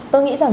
tôi nghĩ rằng